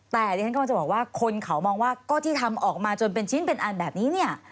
แต่ดิฉันกำลังจะบอกว่าคนเขามองว่าก็ที่ทำออกมาจนเป็นชิ้นเป็นอันแบบนี้เนี่ย